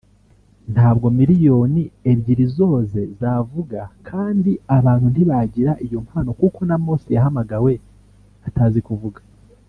ntabwo miliyoni ebyiri zoze zavuga kandi abantu ntibagira iyo mpano kuko na Mose yahamagawe atazi kuvuga